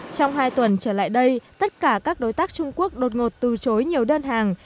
trong hai tuần trở lại đây tất cả các đối tác trung quốc đột ngột từ chối nhiều đơn hàng